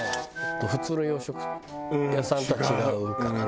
普通の洋食屋さんとは違うからね。